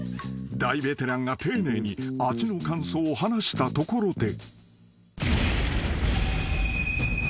［大ベテランが丁寧に味の感想を話したところで］